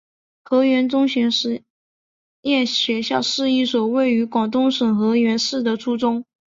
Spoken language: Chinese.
河源中学实验学校是一所位于广东省河源市的初中。